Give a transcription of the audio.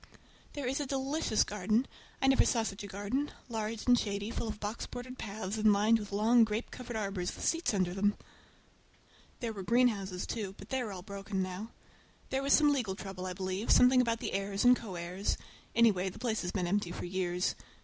There is a delicious garden! I never saw such a garden—large and shady, full of box bordered paths, and lined with long grape covered arbors with seats under them. There were greenhouses, too, but they are all broken now. There was some legal trouble, I believe, something about the heirs and co heirs; anyhow, the place has been empty for years.